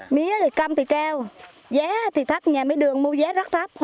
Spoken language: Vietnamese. mía thì căm thì kêu giá thì thấp nhà máy đường mua giá rất thấp